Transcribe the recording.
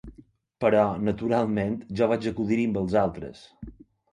Però, naturalment, jo vaig acudir-hi amb els altres.